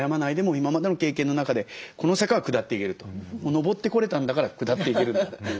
上ってこれたんだから下っていけるんだという。